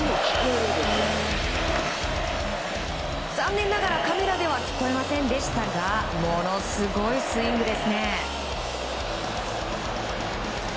残念ながらカメラでは聞こえませんでしたがものすごいスイングですね。